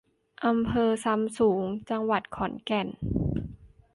อำเภอซำสูง จังหวัดขอนแก่น